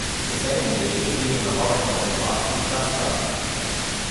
The same year she appeared in the horror film "Vaastu Shastra".